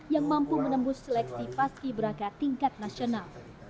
yang mampu menembus seleksi paski beraka tingkat nasional